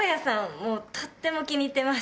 もうとっても気に入ってます。